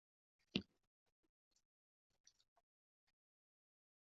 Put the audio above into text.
特别出演友情出演友情客串